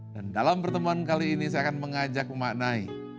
dan dalam pertemuan kali ini saya akan mengajak memaknai